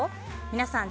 皆さん